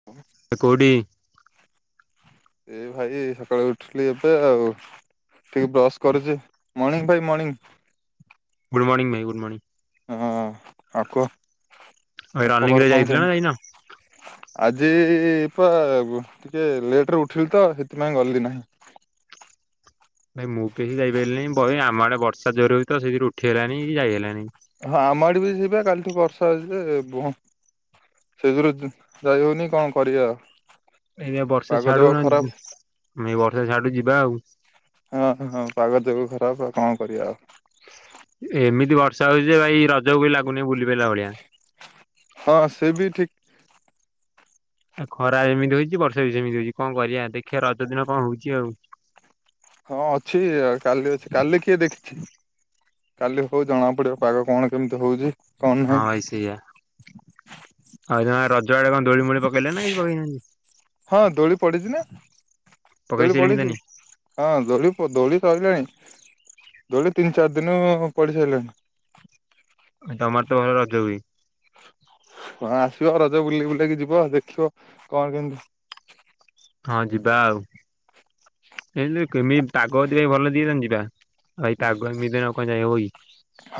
[inaudible] ଏ କଉଡି ଏ ଭାଇ ସକାଳୁ ଉଠିଲି ଏବେ ଆଉ। ଟିକେ ବ୍ରଶ କରୁଛି। ମର୍ଣ୍ଣିଂ ଭାଇ ମର୍ଣିଂ। ଗୁଡ଼୍ ମନିଂ ଭାଇ ଗୁଡ଼୍ ମନିଂ। ହଁ ଆଉ କୁହ ଭାଇ ରନିଂ ରେ ଯାଇଥିଲ ନା ଯାଇନା? ଆଜି-ଇ-ଇ-ଇ ପା ଟିକେ ଲେଟ୍ ରେ ଉଠିଲି ତ ସେଥିପାଇଁ ଗଲି ନାହିଁ। ଭାଇ ମୁଁ ବି ଯାଇପାରିଲିନି ବହେ ଆମ ଆଡେ ବର୍ଷା ଜୋର ରେ ହଉଛି ତ ସେଥିରୁ ଉଠି ହେଲାଣି କି ଯାଇ ହେଲାନି। ହଁ ଆମ ଆଡେ ବି ସେଇବା କାଲିଠୁ ବର୍ଷା ହେଉଛିି ଯେ ବ ସେଥିରୁ ଉ ଯାଇ ହଉନି କଣ କରିବି ଆଉ। ଏଇବା ବର୍ଷା ପାଗ ଯାକ ଛାଡୁ ନହେଲେ ଖରାପ। ଯି ନା ଆମେ ବର୍ଷା ଛାଡୁ ଯିବା ଆଉ। ହଁ ହଁ ପାଗ ଦେବ ଖରାପ ଆଉ କଣ କରିବା ଆଉ। ଏମିତି ବର୍ଷା ହଉଛି ଭାଇ ରଜକୁ ବି ଲାଗୁନି ବୁଲି ପାରିଲା ଭଳିଆ। ହଁ ସିଏ ବି ଠିକ୍। ଆଉ ଖରା ଏମିତି ହଉଛି ବର୍ଷା ବି ସେମିତି ହଉଛି କଣ କରିବା ଦେଖିବା ରଜ ଦିନ କଣ ହଉଛି ଆଉ। ହଁ ଅଛି ଅ କାଲି ଅଛି କାଲି କିଏ ଦେଖିଛି। କାଲି ହଉ ଜଣା ପଡିବ ପାଗ କଣ କେମିତି ହଉଛି। କଣ ହଁ ନାହିଁ ଭାଇ ସେଇଆ। ହଇକିନା ରଜ ଆଡେ କଣ ଦୋଳି ମୋଳି ପକେଇଲେ ନା କିଛି ପକେଇନାହାନ୍ତି। ହଁ ଦୋଳି ପଡିଛି ନା ପକେଇ ଦୋଳି ସାଇଲେଣି ପଡିଛି। ତାନେ ହଁ ଦୋଳି ପ ଦୋଳି ପଡିଲାଣି। ଦୋଳି ତିନି ଚାରି ଦିନ ହବ ପଡି ସାରିଲାଣି। ଆ ତମର ତ ଭଲ ରଜ ହୁଏ। କଣ ଆସିବ ରଜ ବୁଲେଇ ବୁଲେଇକି ଯିବ ଦେଖିବ କଣ କେମିତି ହଁ ଯିବା ଆଉ। ଏଇ କେମିତି ପାଗ ଟିକେ ଭଲ ଦିଏ ସେମିତି ଯିବା। ଭାଇ ତା ଆଗ ଦି ଦିନ କୁଆଡେ ଯାଇ ହେବ କି।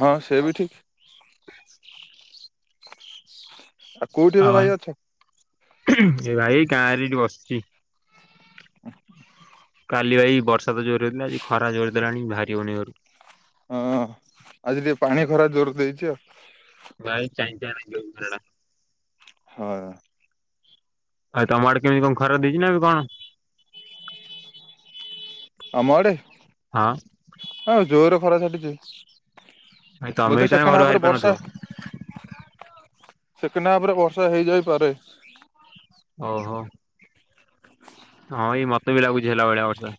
ହଁ ସିଏ ବି ଠିକ୍। ଆଉ କୋଉଠି ଏବେ ଭାଇ ଅଛ? ଏ ଭାଇ ଗାଁରେ ଏଠି ବସିଛି। [inaudible] କାଲି ଭାଇ ବର୍ଷା ତ ଜୋର ହେଇଥିଲା ଆଜି ଖରା ଜୋର ଦେଲାଣି ବାହାରି ହଉନି ଘରୁ। ହଁ ଆଜି ଟିକେ ପାଣି ଖରା ଜୋର ଦେଇଛି ଆଉ। ଭାଇ ଚାଇଁ ଚାଇଁ ଲାଗିଯାଉଚି ଖରା ଟା। ହଉ। ଆଉ ତମ ଆଡ଼େ କେମିତି କ ଖରା ଦେଇଛିି ନା କଣ? ଆମ ଆଡେ? ହଁ। ହଁ ଜୋରେ ଖରା ଛାଟିଛି। ଭାଇ ତମେ ବି ବୋଧେ ତାହେଲେ ଘରୁ ସେକେଣ୍ଡ ବାହାରି ହାପରେ ପାରୁନଥିବ? ବର୍ଷା ସେକେଣ୍ଡ ହାପରେ ବର୍ଷା ହେଇଯାଇପାରେ। ଓହୋ। ହଁ ଏଇ ମତେ ବି ଲାଗୁଛି ହେଲା ଭଳିଆ ବର୍ଷା।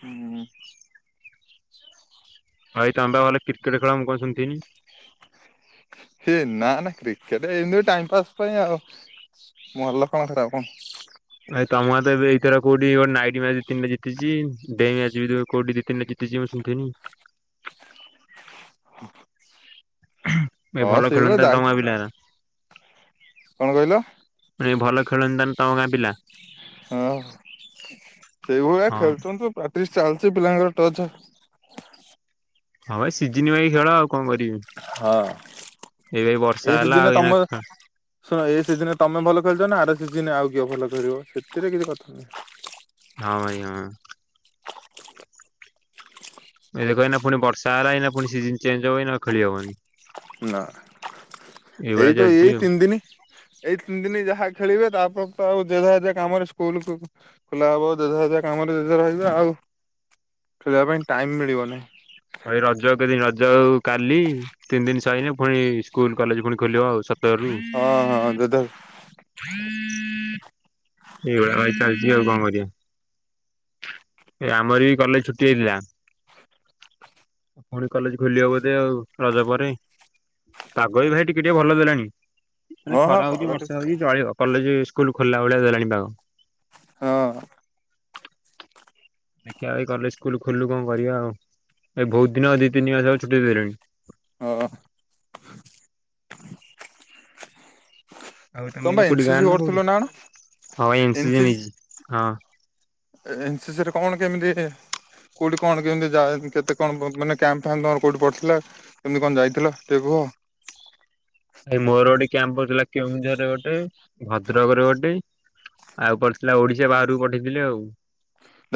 ହୁଁ। ଭାଇ ତମେ ବା ଭଲ କ୍ରିକେଟ ଖେଳ ମୁଁ କଣ ଶୁଣିଥିଲି? ସେ ନା ନା କ୍ରିକେଟ ଏମିତି ଟାଇମ ପାସ୍ ପାଇଁ ଆଉ। ଭଲ କଣ ଖରାପ କଣ। ଭାଇ ତମର ତ ଏବେ ଏଇଥର କୋଉଠି ଇ ନାଇଟି ମ୍ୟାଚ ଦି ତିିନିଟା ଜିତିଛି ଡେ ମ୍ୟାଚ ବି ଯଉ କୋଉ ଦି ତିନିଟା ଜି [unintelligible] ଏ ହଁ ଭଲ ସେଇଭଳିଆ ଖେଳତା ଦାୟି ତମ [unintelligible] କଣ କହିଲ? ଯେ ଭଲ ଖେଳନ୍ତାନ୍ ତମ ଗାଁ ପିଲା। ହଁ ସେଇଭଳିଆ ହଁ ଖେଳୁଛନ୍ତି ପ୍ରାକ୍ଟିସ ଚାଲିଛି ପିଲାଙ୍କର ଟଚ୍ ହଁ ଭାଇ ସିଜିନୱାଇ ଖେଳ ଆଉ କଣ କରିବେ। ହଁ ଏ ହେଲା ଆଉ ସିଜିନ୍ ରେ ଏଇନା ତମ ଖେ ଶୁଣ ଏ ସିଜିନେ ତମେ ଭଲ ଖେଳୁଛ ନା ଆର ସିଜିନେ ଆଉ କିଏ ଭଲ ଖେଳିବ ସେଥିରେ କିଛି କଥା ନାହିଁ। ହଁ ଭାଇ ହଁ। ଏ ଦେକ ଏଇନା ପୁଣି ବର୍ଷା ହେଲା ଏଇନା ପୁଣି ସିଜନ ଚେଞ୍ଜ ହବ ଏଇନା ଖେଳି ହବନି। ନା ଏଇଭଳିଆ ଏଇ ତ ଚାଲିଛି ଏଇ ଆଉ ତିନ ଦିନି। ଏଇ ତିନି ଦିନ ଯାହା ଖେଳିବେ ତାପ ତ ଆଉ ଯେଝା ଯେଝା କାମରେ ସ୍କୁଲକୁ ଖୋଲା ହବ ଯେଝା ଯେଝା କାମରେ ଯେଜା ରହିବେ ଆଉ ଖେଳିବା ପାଇଁ ଟାଇମ ମିଳିବନି। ଭାଇ ରଜ କେଦିନ ରଜ ଆଉ କାଲି ତିନି ଦିନ ସଇନେ ପୁଣି ସ୍କୁଲ କଲେଜ ପୁଣି ଖୋଲିବ ଆଉ ସତରରୁ। ହଁ ହଁ ଯେଝା ଏଇଭଳିଆ ବାଇ ଚାଲିଛି ଆଉ କଣ କରିଆ। ଏ ଆମର ବି କଲେଜ ଛୁଟି ହେଇଥିଲା। ପୁଣି କଲେଜ ଖୋଲିଅ ବୋଧେ ଆଉ ରଜ ପରେ। ପାଗ ବି ଭାଇ ଟିକେ ଟିକେ ଭଲ ଦେଲାଣି ମାନେ ହଁ ହଁ ଖରା ପାଗ ହଉଛି ଠିକ୍ ବର୍ଷା ହଉଛି ଚଳିବ। କଲେଜ ସ୍କୁଲ ଖୋଲା ଭଳିଆ ଦେଲାଣି ପାଗ ହଁ। ଦେଖିବା ଭାଇ କଲେ ସ୍କୁଲ ଖୋଲୁ କଣ କରିବା ଆଉ ଏ ବହୁତ ଦିନ ଦି ତିନି ମାସ ଆଉ ଛୁଟି ଦେଲେଣି। ଓ। ଆଉ ତମେ ଏଇନା କୋଉଠି ଗାଁ ନା କୋଉଠି ହଁ ଏମ୍ ସି ଜି ନେଇଚି ହଁ। ଏ ଏମ୍ ସି ସି ରେ କଣ କେମିତି? କୋଉଠି କଣ କେମିତି ଯାଏ କେତେ କଣ ବ ମାନେ କ୍ୟାମ୍ ଫ୍ୟାମ ତମର କୋଉଠି ପଡଥିଲା? କେମତି କଣ ଯାଇଥିଲ ଟି ହ। ଭାଇ ମୋର ଗୋଟେ କ୍ୟାମ୍ ପର୍ ଥିଲା କେଉଁଝର ରେ ଗୋଟେ ଭଦ୍ରକରେ ଗୋଟେ ଆଉ ପଡିଥିଲା ଓଡିଶା ବାହାରକୁ ପଠେଇଥିଲେ ଆଉ।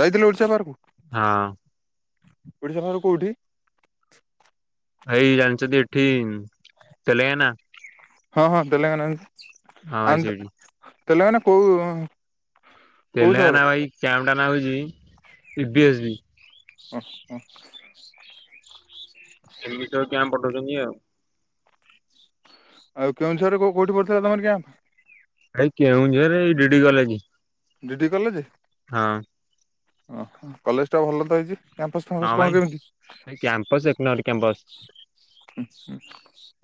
ଯାଇଥିଲେ ଓଡ଼ିଶା ବାହାରକୁ ହଁ ଓଡ଼ିଶା ବାହାରକୁ କୋଉଠି? ଭାଇ ଜାନଚତି ଏଠି ଉଁ ତେଲେଗାନା। ହଁ ହଁ ତେଲେଙ୍ଗାନା ହଁ ଭାଇ ଆନ୍ଦ ସେଇଠି ତେଲେଙ୍ଗାନା କୋଉ କୋଉ ସହର? ତେଲେଙ୍ଗାନା ଭାଇ କ୍ୟାାମ ଟା ନାଁ ହଉଛି ପି ଡି ଏସ୍ ବି। ଓହ [unintelligible] କ୍ୟାମ ପଠଉଚ ଜିଅ। ଆଉ କେଉଁଝରେ କଉ କୋଉଠି ପଡିଥିଲା ତମର କ୍ୟାମ୍ପ? ଭାଇ କେଉଁଝରେ ଏଇ D D college D D college ହଁ ଆଁ ହ କଲେଜ ଟା ଭଲ ତ ହେଇଛି। କ୍ୟାମ୍ପସ ଫମ୍ ର ହଁ ଭାଇ ସ୍କ୍ରଣ କେମିତି? ଏଇ କ୍ୟାମ୍ପସ ଏକ ନମ୍ବର କ୍ୟାମ୍ପସ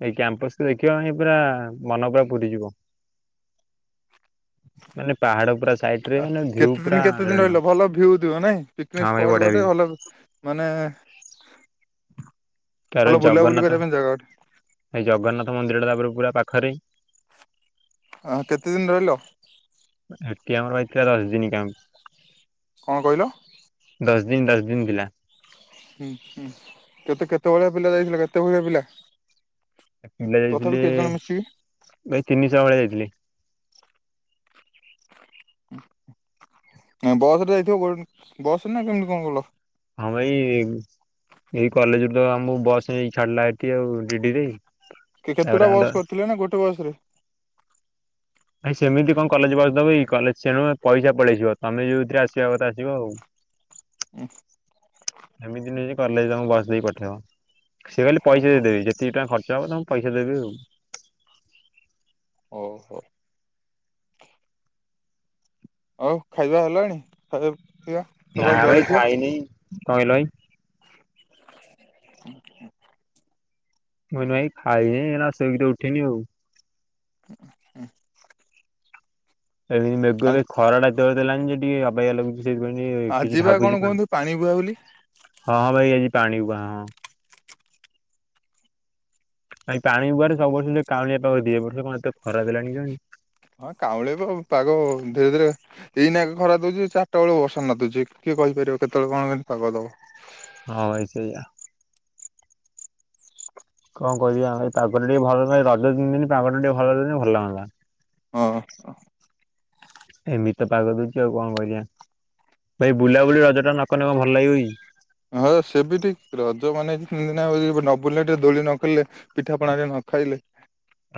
ଏଇ କ୍ୟାମ୍ପସୁ ଦେଖିଆ ପାଇଁଁ ପୁରା ମନ ପୁରା ପୁରିଯିବ। ମାନେ ପାହାଡ ପୁରା ସାଇଟ ରେ ଆ ମାନେ ଭିଉ କେତେ ପୁରା ଦିନ କେତେ ଦିନ ରେଣ୍ଡମ ରହିଲ ଭଲ ଭିଉ ଥିବ ନାଇଁ? ପିକନିକ ହଁ ଭାଇ ସ୍ପଟ ବଢିଆ ଗୋଟେ ଭିଉ ଭଲ ମାନେ ଅଲ ବୁଲାବୁଲି କରିବା ପାଇଁ ଜାଗା ଗୋ ଭାଇ ଜଗନ୍ନାଥ ମନ୍ଦିର ଟା ତାପରେ ପୁରା ପାଖରେ। ଆହ କେତେ ଦିନ ରହିଲ? ଏଠି ଆମର ଭାଇ ଥିଲା ଦଶ ଦିନ କ୍ୟାମ। କଣ କହିଲ? ଦଶ ଦିନ ଦଶ ଦିନ ଥିଲା। ହୁଁ ହୁଁ କେତେ କେତେ ଭଳିଆ ପିଲା ଯାଇଥିଲ କେତେ ଭଳିଆ ପିଲା? ପିଲା ତଥାପି ଯାଇଥିଲେ କେତେ ଜଣ ମିଶିକି ଭାଇ ତିନିଶହ ଭଳିଆ ଯାଇଥିଲେ। ଅ ବସ ରେ ଯାଇଥିବ କ ବସରେ ନା କେମିତି କଣ ଗଲ? ହଁ ଭାଇ ଏଇ କଲେଜରୁୁ ତ ଆମକୁ ବସ ନେଇ ଛାଡିଲା ଏଠି ଆଉ ଡିଡି ରେ କେ କେତୁଟା ବସ୍ କରିଥିଲେ ନା ଗୋଟେ ବସ ରେ? ଭାଇ ସେମିତି କଣ କଲେଜ ବସ ଦବକି କଲେଜ ସେଣୁ ପଇସା ପଳେଇଯିବ ତମେ ଯଉଥିରେ ଆସିବା କଥା ଆସିବ ଆଉ। [unintelligible] [unintelligible] ଏମିତି ନୁଏ ଯେ କଲେଜ ତମକୁ ବସ ଦେଇକି ପଠେଇବ ସିଏ ଖାଲି ପଇସା ଓହୋ ଦେଇଦେବେ ସି ଟଙ୍କା ଖର୍ଚ୍ଚହବ ତମୁକୁ ପଇସା ଦେଇ ବେ ଆଉ। ଓହୋ। ହଉ ଖାଇବା ହେଲାଣି? ପିଇବା ନା ସକାଳୁ ଭାଇ ଜଳଖିଆ ଖାଇନି କଣ କହିଲ ଭାଇ? [inaudible] ମୁଁ ଏଇନା ଖାଇନି ନା ସେ ବିତ ଉଠିନି ଆଉ [inaudible] [unintelligible] ଏମିତି ମେଘ ଆ ଏ ଖରା ଟା ଜୋରେ ଦେଲାଣି ଯେ ଟିକେ ଅବାଗିଆ ଲାଗୁଛି। ସେଇଥିପାଇଁ କିଛି ଆଜି ବା କଣ ଭାବୁଛି ହଁ କୁହନ୍ତୁ ପାଣି ବୁହା ବୋଲି ହଁ ଭାଇ ଆଜି ପାଣିକୁ ହଁ। ଭାଇ ପାଣି ଗୁରେ ସବୁ ବର୍ଷ କାଉଳିଆ ପାଖ ଦିଏ ବର୍ଷ କଣଏତେ ଖରା ଦେଲାଣି କଣ ହଁ କାଉଁଳିଆ ପାଗ ଧୀରେ ଧୀରେ ଏଇନା ଖରା ଦଉଛି ଚାରିଟା ବେଳ ବର୍ଷା ନାଦୁଛି କିଏ କହିପାରିବ କେତେବେଳେ କଣ କେମିତି ପାଗ ଦବ। ହଁ ଭାଇ ସେଇଆ। କଣ କହିବା ପାଗଟା ଟିକେ ଭଲ ରଜ ପିନ୍ଧିନି ପାଗ ଟିକେ ଭଲ ଦିନି ଭଲ ଲାଗନ୍ତା। ହଁ। ଏମିତି ତ ପାଗ ଦଉଛି ଆଉ କଣ କରିବା? ଭାଇ ବୁଲାବୁଲି ରଜ ଟା ନକଲେ କଣ ଭଲ ଲାଗିବ କି? ହଁ ସେ ବି ଠିକ ରଜ ମାନେ ନବୁଲିଲେ ଟିକେ ଦୋଳି ନ ଖେଳିଲେ ପିଠାପଣାରେ ନ ଖାଇଲେ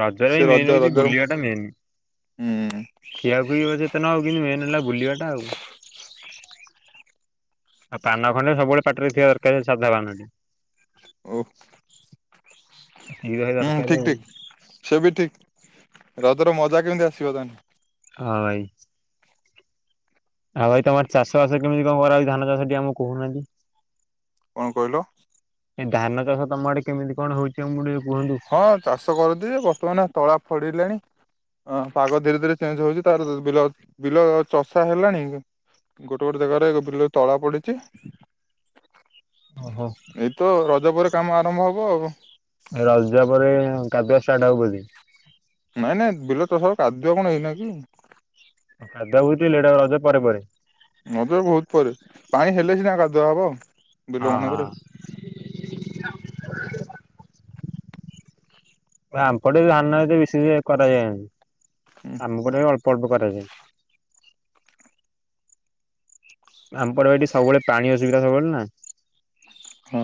ରଜରେ ସେ ମେନ୍ ରଜ ହଉଛି ରଜର ବୁଲିବା ଟା ମେନ୍ ହୁଁ ଖିଆଖୁଇ କେତେ ନ ହଉ କିନ୍ତୁ ମେନ ହେଲା ବୁଲିବା ଟା ଆଉ। ହ [inaudible] ଆଉ ପାନ ଖଣ୍ଡେ ସବୁବେଳେ ପାଟିରେ ଥିବା ଦରକାର ସାଧା ପାନଟି। ଓ। ଏତିକି ତ ଭାଇ ହୁଁ ଦରକାର ଠିକ ଆଉ ଠିକ ସେ ବି ଠିକ ରଜର ମଜା କେମିତି ଆସିବ ତା ହେଲେ। ହଁ ଭାଇ ଆଉ ଭାଇ ତମର ଚାଷ ବାସରେ କେମିତି କଣ କରା ଧାନ ଚାଷ ଟେ ଆମକୁ କହୁନାହାନ୍ତି। କଣ କହିଲ? ଏଇ ଧାନ ଚାଷ ତମ ଆଡେ କେମିତି କଣ ହଉଛି ଆମ ଟିକେ କୁହନ୍ତୁ? ହଁ ଚାଷ କରନ୍ତି ଯେ ବର୍ତ୍ତମାନ ତଳା ଫଡ଼ିଲାଣି ହଁ ପାଗ ଧୀରେ ଧୀରେ ଚେଞ୍ଜ ହଉଛି ତାର ବିଲ ବିଲ ଚଷା ହେଲାଣି ଗୋଟେ ଗୋଟେ ଜାଗାରେ ବିଲ ତଳା ପଡିଛି ଓହୋ। ତ ରଜ ପରେ କାମ ଆରମ୍ଭ ହବ ଆଉ। ରଜ ପରେ କାଦୁଆ ଷ୍ଟାର୍ଟ ହଉ ବୋଧେ। ନାଇଁ ନାଇଁ ବିଲ ତ ସବୁ କାଦୁଆ କଣ ଏଇନା କି। କାଦୁଅ ଏଇଟା ରଜ ପରେ ପରେ। ମତେ ବହୁତ ପରେ ପାଣି ହେଲେ ସିନା କାଧୁଅ ହବ। ବିଲ ମାନଙ୍କରେ ହଁ ହଁ। ଆମପଟେ ଧାନ ଏତେ ବିଶେଷ କରାଯାଏନି ହଁ। ଆମ ପଟେ ବି ଅଳ୍ପ ଅଳ୍ପ କରାଯାଏ। ଆମପଟେ ଏଠି ସବୁବେଳେ ପାଣି ଅସୁବିଧା ସବୁବେଳେ ନା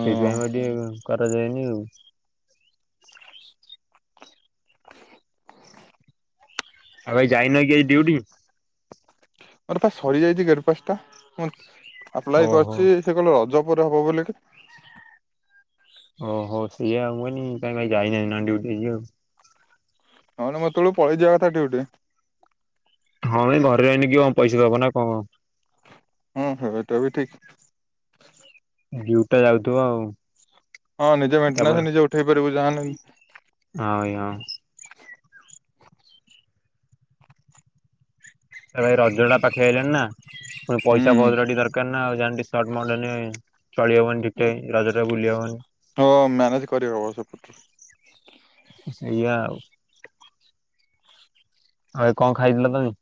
ସେଇଥିପାଇଁ ବୋଧେ କରାଯାଏନି ଆଉ। ଆଉ ଆଯି ଯାଇନ କି ଆଯି ଡିଉଟି। ମୋର ପା ସରି ଯାଇଛି ଗେଟ୍ ପାସ ଟା ମୁଁ ଆପ୍ଲାଏ ଓହୋ। କରିଛି ସେ କହିଲେ ରଜ ପରେ ହବ ବୋଲି। ଓହୋ ସେଇୟା ମୁଁ କଇନି କାଇଁ ଭାଇ ଯାଇ ନାଇଁ ନା ଡିଉଟି ଆଜି ଆଉ ହଁଲୋ ମୁଁ ଏତୋବେଳେକୁ ପଳେଇ ଯିବା କଥା ଡିଉଟିରେ। ହଁ ଭାଇ ଘରେ ରହିନେ କଣ କିଏ ପଇସା ଦବ ନା କଣ ହଁ ସେଟା ବି ଠିକ। ଡିଉଟା ଯାଉଥିବ ଆଉ ହଁ ନିଜେ ମେନଟନାସ୍ ତାପରେ ନିଜେ ଉଠେଇ ପାରିବୁ ଯାହାଁ ନେ ହଁ ଭାଇ ହଁ। ଏ ଭାଇ ରଜଟା ପାଖେଇ ଆଇଲାଣି ନା ପୁଣି ପଇସା ପତର ଟି ଦର୍ କାର ନା ଆଉ ଯା ହେନେ ଟିକେ ସଟ୍ ମଟ୍ ହେନେ ଚଳି ହବନି ଠିକେ ରଜଟାରେ ବୁଲି ହବନି। ହଁ ମ୍ୟାନେଜ୍ କରିହବ ସେପଟରୁ। ସେଇଆା ଆଉ। ଆଉ ଭାଇ କଁ ଖାଇଥିଲ ତମେ।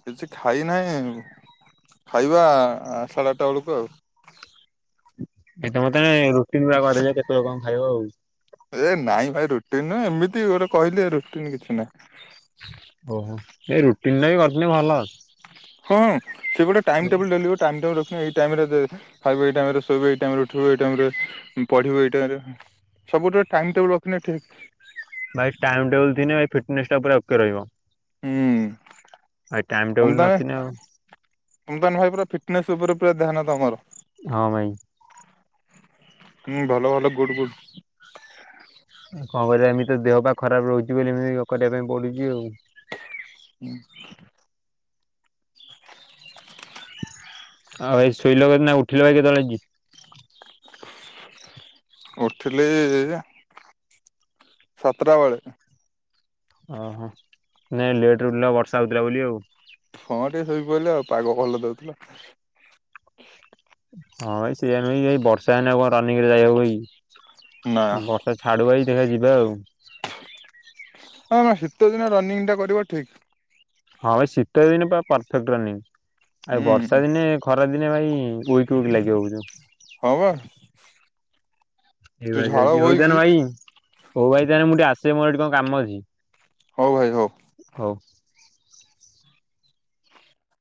କିଛି ଖାଇ ନାହିଁ ଖାଇବା ସାଢ଼େ ଆଟଟା ଅଳୁକୁ ଆଉ। ଏ ତମର ତାନେ ରୁଟିନ୍ ପୁରା କରିଦେଇଚ କେତୋଳେ କଣ ଖାଇବ ଆଉ। ଏ ନାଇଁ ଭାଇ ରୁଟିନ୍ ନୁହେଁ ଏମିତି ଗୋଟେ କହିଲି ରୁଟିନ୍ କିଛି ନାହିଁ। ଓହୋ ଏଇ ରୁଟିନ୍ ଟାବି କରିଥିନେ ଭଲ। ହଁ ସେ ଗୋଟେ ଟାଇମ୍ ଟେବୁଲ୍ ଡେଲି ଗୋଟେ ଟାଇମ୍ ଟେବୁଲ୍ ରଖିନେ ଏଇ ଟାଇମ୍ ରେ ଦେ ଖାଇବୁ ଏଇ ଟାଇମ୍ ରେ ଶୋଇବୁ ଏଇ ଟାଇମ୍ ରେ ଉଠିବୁ ଏଇ ଟାଇମ୍ ରେ ପଢ଼ିବୁ ଏଇ ଟାଇମ୍ ରେ ସବୁଠିରେ ଟାଇମ୍ ଟେବୁଲ୍ ରଖିନେ ଠିକ୍। ଭାଇ ଟାଇମ୍ ଟେବୁଲ୍ ଥିନେ ଫିଟନେସ୍ ଟା ପୁରା ଓକେ ରହିବ। ହୁଁ। ଆ ଏ ଟାଇମ୍ ଟେବୁଲ୍ ନଥିନେ ଆଉ ତମେ ତାନେ ଭାଇ ପୁରା ଫିଟନେସ୍ ଉପରେ ପୁରା ଧ୍ୟାନ ତମର। ହଁ ଭାଇ। ଉଁ ଭଲ ଭଲ ଗୁଡ଼୍ ଗୁଡ଼୍। ଉଁ କଁ କରିବା ଏମିତି ଦେହ ପା ଖରାପ ରହୁଚି ବୋଲି ଏମିତି କରିବା ପାଇଁ ପଡ଼ୁଚି ଆଉ। ଉଁ। [inaudible] ଆଉ ଭାଇ ଶୋଇଲ କେ ନା ଉଠିଲ ଭାଇ କେତୋଳେ ଆଜି? ଉଠିଲି ସାତଟା ବେଳେ। ଓହୋ ନେ ଲେଟ୍ ରେ ଉଠିଲ ବର୍ଷା ହଉଥୁଲା ବୋଲି ଆଉ। ହଁ ଟିକେ ଶୋଇ ପଇଲି ଆଉ ପାଗ ଭଲ ଦୋଉଥୁଲା। ହଁ ଭାଇ ସେଇଆ ନୁହେଁ କି ଏଇ ବର୍ଷା ହେନେ ଆଉ କଁ ରନିଂରେ ଯାଇ ହବ କି? ନା ବର୍ ସେ ଛାଡ଼ୁ ଭାଇ ଦେଖିଆ ଯିବା ଆଉ। ହଁ ଶୀତ ଦିନ ରନିଂ ଟା କରିବ ଠିକ୍। ହଁ ଭାଇ ଶୀତ ଦିନେ ପୁରା ପରଫେକ୍ଟ୍ ରନିଂ ଆ ଏ ବର୍ଷା ହୁଁ ଦିନେ ଖରାଦିନେ ଭାଇ ୱିକ୍ ୱିକ୍ ଲାଗିବ ବୁଜୁ। ହଁ ପା। ଏଇ ଭଳିଆ ଚାଲିଚି। ହୋଉ ତାନେ ଭାଇ ହୋଉ ଭାଇ ତାହେନେ ମୁଁ ଟିକେ ଆସେ ମୋର ଏଠି କଁ କାମ ଅଛି। ହଉ ଭାଇ ହଉ। ହଉ।